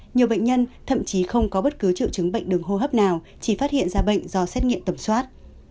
nhiều bệnh nhân thậm chí không có bất cứ triệu chứng bệnh đường hô hấp nào chỉ phát hiện ra bệnh do xét nghiệm tẩm soát